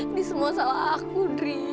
ini semua salah aku dri